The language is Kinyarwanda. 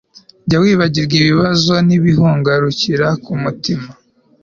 jya wibagirwa ibibazo nibiguhagarika umutima